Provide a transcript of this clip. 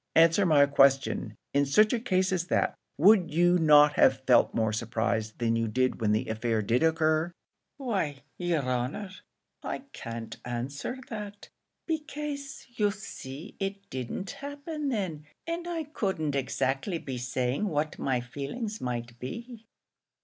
"Answer my question. In such a case as that, would you not have felt more surprise than you did when the affair did occur?" "Why, yer honour, I can't answer that becase, you see, it didn't happen then, and I couldn't exactly be saying what my feelings might be."